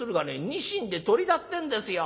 ニシンでトリだってんですよ。